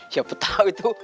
siapa tau itu